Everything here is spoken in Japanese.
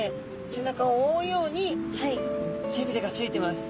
背中を覆うように背びれがついてます。